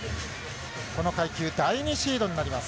この階級、第２シードになります。